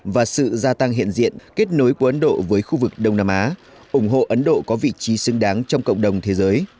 và sự gia tăng hiện diện kết nối của ấn độ với khu vực đông nam á ủng hộ ấn độ có vị trí xứng đáng trong cộng đồng thế giới